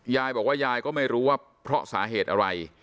ยายบอกว่ายายก็ไม่รู้ว่าเพราะสาเหตุอะไร